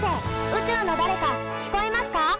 宇宙のだれか聞こえますか？